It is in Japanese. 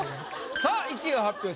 さあ１位を発表します。